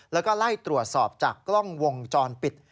แล้วก็ไล่ตรวจสอบจากกล้องวงจรปิด